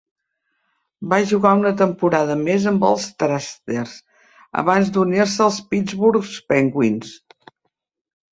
Va jugar una temporada més amb els Thrashers abans d'unir-se als Pittsburgh Penguins.